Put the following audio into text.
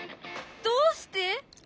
どうして？